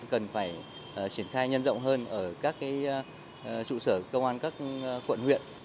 cần phải triển khai nhân rộng hơn ở các trụ sở công an các quận huyện